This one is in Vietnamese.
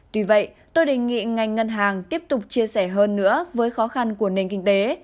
tuy vậy tôi đề nghị ngành ngân hàng tiếp tục chia sẻ hơn nữa với khó khăn của nền kinh tế